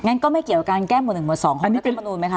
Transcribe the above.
งั้นก็ไม่เกี่ยวกับการแก้หมวดหนึ่งหรือสองของพระเจ้ามนุษย์ไหมคะ